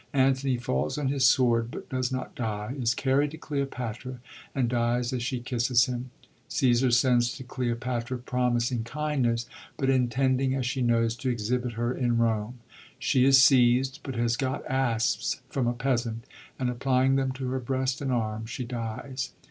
Antony falls on his sword, but does not die, is carried to Cleopatra, and dies as she kisses him. Caesar sends to Cleopatra, promising kindness, but intending, as she knows, to exhibit her in Rome. She is seizd, but has got asps from a peasant, and applying them to her breast and arm, she dies.